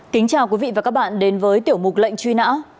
kính chào quý vị và các bạn đến với tiểu mục lệnh truy nã